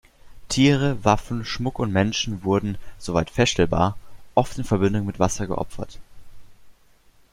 Tiere, Waffen, Schmuck und Menschen wurden, soweit feststellbar, oft in Verbindung mit Wasser geopfert.